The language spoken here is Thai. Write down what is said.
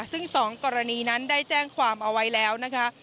ซึ่ง๒กรณีนั้นได้แจ้งความเอาไว้แล้วนะคะ